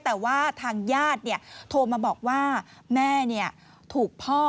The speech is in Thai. แต่ว่าทางญาติโทรมาบอกว่าแม่ถูกพ่อ